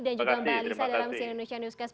dan juga mbak alisa dalam sian indonesia newscast